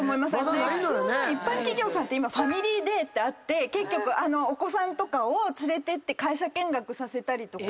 普通は一般企業さんって今ファミリーデーってあってお子さんとかを連れてって会社見学させたりとか。